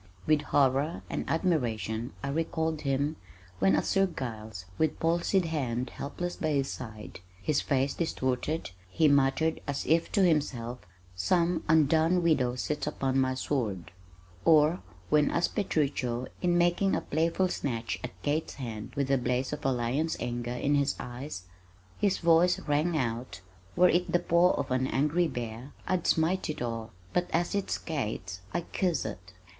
_" With horror and admiration I recalled him, when as Sir Giles, with palsied hand helpless by his side, his face distorted, he muttered as if to himself, "Some undone widow sits upon my sword," or when as Petruchio in making a playful snatch at Kate's hand with the blaze of a lion's anger in his eye his voice rang out, "Were it the paw of an angry bear, I'd smite it off but as it's Kate's I kiss it."